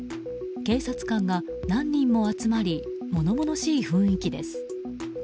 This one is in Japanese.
警察官が何人も集まり物々しい雰囲気です。